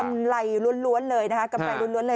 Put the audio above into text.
กำไรล้วนเลยนะครับ